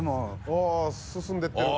あっ進んでってる。